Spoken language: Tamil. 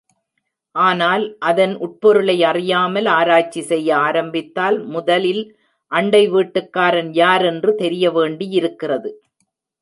ஆனால், அதன் உட்பொருளை அறியாமல் ஆராய்ச்சி செய்ய ஆரம்பித்தால், முதலில் அண்டை வீட்டுக்காரன் யார் என்று தெரிய வேண்டியிருக்கிறது.